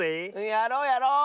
やろうやろう！